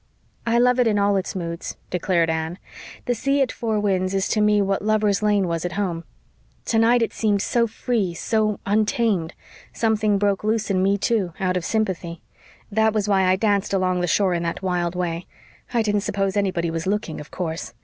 "I love it in all its moods," declared Anne. "The sea at Four Winds is to me what Lover's Lane was at home. Tonight it seemed so free so untamed something broke loose in me, too, out of sympathy. That was why I danced along the shore in that wild way. I didn't suppose anybody was looking, of course.